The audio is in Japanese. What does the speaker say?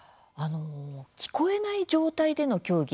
聞こえない状態での競技